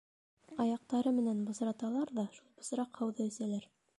Аяҡтары менән бысраталар ҙа шул бысраҡ һыуҙы әсәләр.